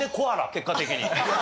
結果的に。